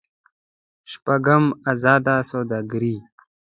شپږم: ازاده سوداګري.